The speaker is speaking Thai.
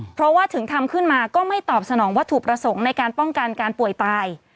เพราะว่าถึงทำขึ้นมาก็ไม่ตอบสนองวัตถุประสงค์ในการป้องกันการป่วยตาย